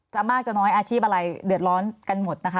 มากจะน้อยอาชีพอะไรเดือดร้อนกันหมดนะคะ